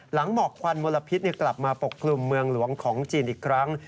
หมอกควันมลพิษกลับมาปกคลุมเมืองหลวงของจีนอีกครั้ง